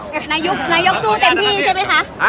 นายกสู้เต็มที่ใช่มั้ยคะ